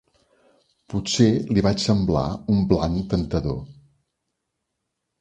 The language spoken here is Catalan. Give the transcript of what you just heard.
Potser li vaig semblar un blanc temptador.